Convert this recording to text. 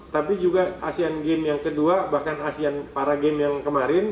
tapi juga asean games yang kedua bahkan asean para games yang kemarin